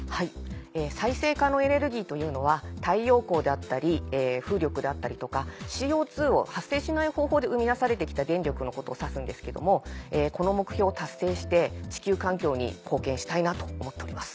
再生可能エネルギーというのは太陽光であったり風力であったりとかＣＯを発生しない方法で生み出されて来た電力のことを指すんですけどもこの目標を達成して地球環境に貢献したいなと思っております。